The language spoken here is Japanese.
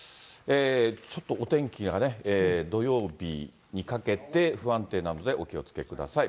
ちょっとお天気がね、土曜日にかけて不安定なので、お気をつけください。